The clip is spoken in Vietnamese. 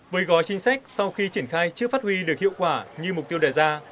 với gói chính sách sau khi triển khai trước phát huy được hiệu quả như mục tiêu đề ra